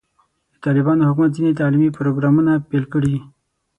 د طالبانو حکومت ځینې تعلیمي پروګرامونه پیل کړي.